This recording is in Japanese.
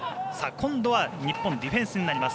今度は日本ディフェンスになります。